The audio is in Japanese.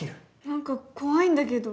なんか怖いんだけど。